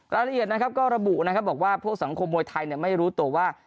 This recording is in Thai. รายละเอียดนะครับก็ระบุนะครับบอกว่าพวกสังคมมวยไทยไม่รู้ตัวว่า